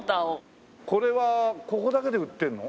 これはここだけで売ってるの？